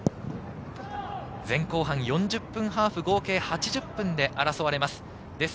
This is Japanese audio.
前後半４０分ハーフ、合計８０分で争われます。